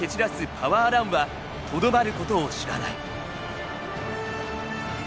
パワーランはとどまることを知らない。